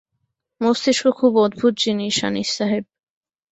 মস্তিক খুব অদ্ভুত জিনিস, আনিস সাহেব।